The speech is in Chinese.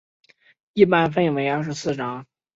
一般分为二十四章。